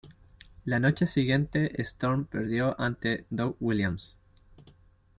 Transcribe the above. La noche siguiente, Storm perdió ante Doug Williams.